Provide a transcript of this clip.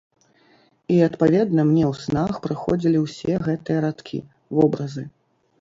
І адпаведна, мне ў снах прыходзілі ўсе гэтыя радкі, вобразы.